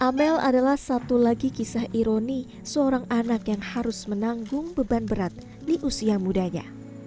amel adalah satu lagi kisah ironi seorang anak yang harus menanggung beban berat di usia mudanya